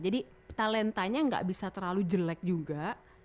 jadi talentanya enggak bisa terlalu jelek juga